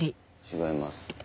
違います。